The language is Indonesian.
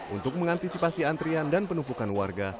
untuk mengantisipasi antrian dan penumpukan warga